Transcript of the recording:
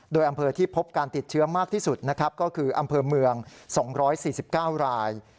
โดยอำเภอที่พบการติดเชื้อมากที่สุดนะครับก็คืออำเภอเมือง๒๔๙ราย